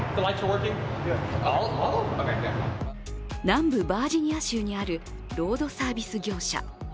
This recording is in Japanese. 南部バージニア州にあるロードサービス業者。